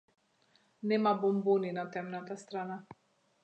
Нема бонбони на темната страна.